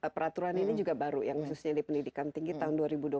peraturan ini juga baru yang khususnya di pendidikan tinggi tahun dua ribu dua puluh satu